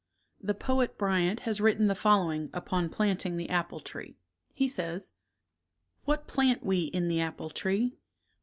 The poet Bryant has written the following upon planting the apple tree. He says: What plant we in the apple tree?